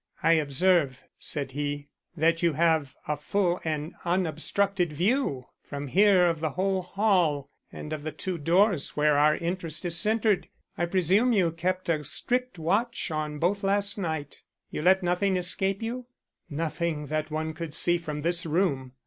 "I observe," said he, "that you have a full and unobstructed view from here of the whole hall and of the two doors where our interest is centered. I presume you kept a strict watch on both last night. You let nothing escape you?" "Nothing that one could see from this room."